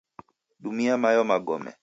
Dumia mayo magome